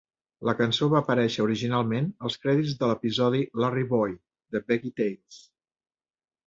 La cançó va aparèixer originalment als crèdits de l'episodi "Larry-Boy!" de "VeggieTales"